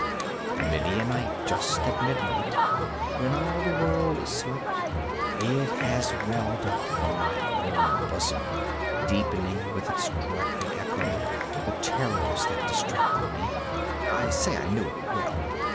Many a night, just at midnight, when all the world slept, it has welled up from my own bosom, deepening, with its dreadful echo, the terrors that distracted me. I say I knew it well.